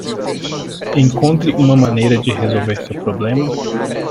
Encontre uma maneira de resolver seu problema